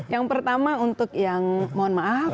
yang pertama untuk yang mohon maaf